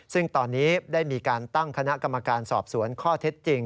ซึ่งตอนนี้ได้มีการตั้งคณะกรรมการสอบสวนข้อเท็จจริง